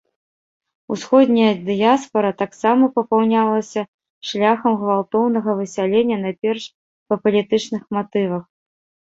Усходняя дыяспара таксама папаўнялася шляхам гвалтоўнага высялення найперш па палітычных матывах.